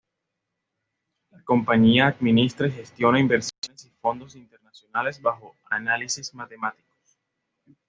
La compañía administra y gestiona inversiones y fondos internacionales bajo análisis matemáticos.